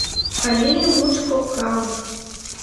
Аллея мучко — калык.